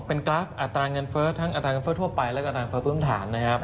เป็นกราฟอัตราเงินเฟ้อทั้งอัตราเงินเฟ้อทั่วไปและอัตราพื้นฐานนะครับ